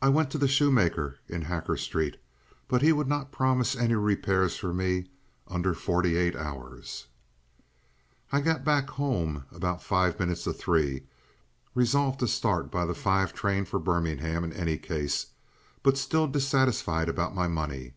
I went to the shoemaker in Hacker Street, but he would not promise any repairs for me under forty eight hours. I got back home about five minutes to three, resolved to start by the five train for Birmingham in any case, but still dissatisfied about my money.